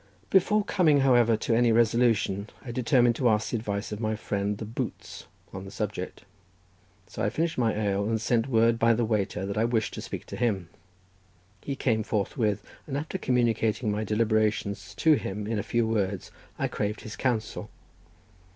Before coming, however, to any resolution I determined to ask the advice of my friend the boots on the subject. So I finished my ale, and sent word by the waiter that I wished to speak to him; he came forthwith, and after communicating my deliberations to him in a few words I craved his counsel.